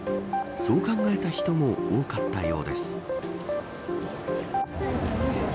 そう考えた人も多かったようです。